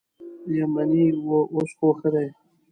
یمنی و اوس خو ښه دي.